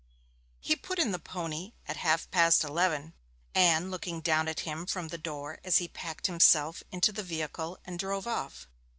He put in the pony at half past eleven, Anne looking at him from the door as he packed himself into the vehicle and drove off.